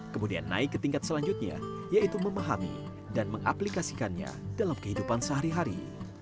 kemudian naik ke tingkat selanjutnya yaitu memahami dan mengaplikasikannya dalam kehidupan sehari hari